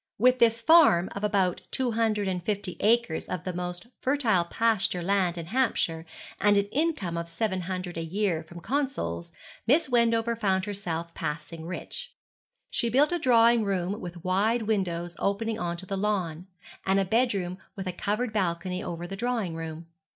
With this farm of about two hundred and fifty acres of the most fertile pasture land in Hampshire and an income of seven hundred a year from consols, Miss Wendover found herself passing rich. She built a drawing room with wide windows opening on to the lawn, and a bed room with a covered balcony over the drawing room.